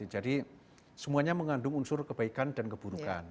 jadi semuanya mengandung unsur kebaikan dan keburukan